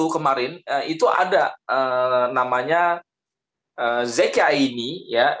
dua ribu dua puluh satu kemarin itu ada namanya zekia ini ya